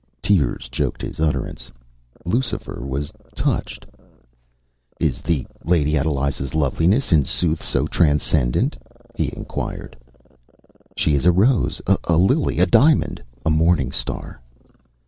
” Tears choked his utterance; Lucifer was touched. “Is the Lady Adeliza’s loveliness in sooth so transcendent?” he inquired. “She is a rose, a lily, a diamond, a morning star!